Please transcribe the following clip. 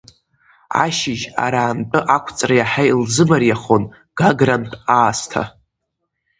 Ашьыжь араантәы ақәҵра иаҳа илзымариахон Гагрантә аасҭа.